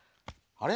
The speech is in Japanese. あれ？